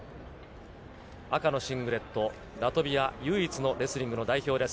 赤のシングレット、ラトビア唯一のレスリングの代表です。